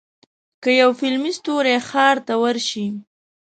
که یو فلمي ستوری ښار ته ورشي.